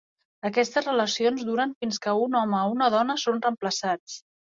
Aquestes relacions duren fins que un home o una dona són reemplaçats.